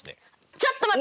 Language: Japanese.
ちょっと待った！